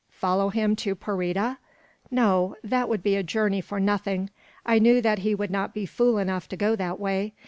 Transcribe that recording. Follow him to Parida? No; that would be a journey for nothing. I knew that he would not be fool enough to go that way.